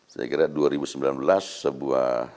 saya kira dua ribu sembilan belas sebuah